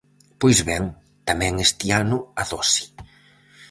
Pois ben, tamén este ano a dose.